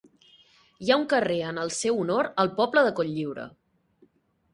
Hi ha un carrer en el seu honor al poble de Cotlliure.